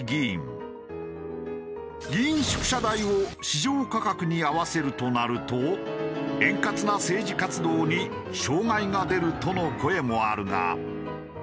議員宿舎代を市場価格に合わせるとなると円滑な政治活動に障害が出るとの声もあるが。